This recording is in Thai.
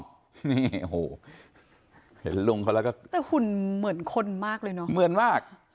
นี่โหเห็นลุงเขาแล้วก็แต่หุ่นเหมือนคนมากเลยเนอะเหมือนมาก